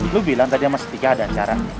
lo bilang tadi sama tika ada acara